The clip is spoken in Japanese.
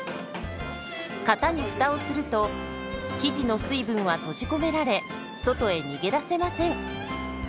型にフタをすると生地の水分は閉じ込められ外へ逃げ出せません。